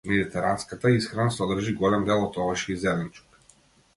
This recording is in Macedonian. Медитеранската исхрана содржи голем дел од овошје и зеленчук.